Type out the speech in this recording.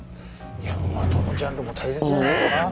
いやどのジャンルも大切じゃないですか？